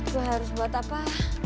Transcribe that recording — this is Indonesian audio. gue harus buat apa